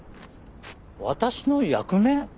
私の役目？